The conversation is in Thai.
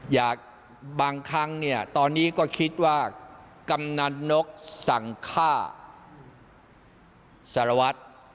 บางครั้งเนี่ยตอนนี้ก็คิดว่ากำนันนกสั่งฆ่าสารวัตร